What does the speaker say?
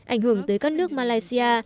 ảnh hưởng tới các nước malaysia